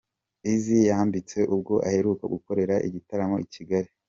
Eazi yambitse ubwo aheruka gukorera igitaramo i Kigali.